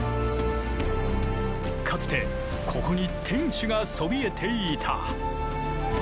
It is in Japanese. かつてここに天守がそびえていた。